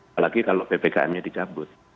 apalagi kalau ppkm nya dicabut